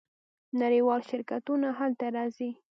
نړیوال شرکتونه هلته راځي.